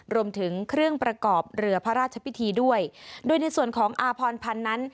รวมถึงเครื่องประกอบเรือพระราชพิธีด้วยโดยในส่วนของอาพรพันธ์นั้น